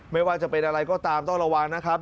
ไม่ว่าจะเป็นอะไรก็ตามต้องระวังนะครับ